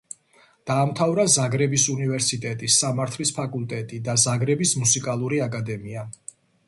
დაამთავრა ზაგრების უნივერსიტეტის სამართლის ფაკულტეტი და ზაგრების მუსიკალური აკადემია.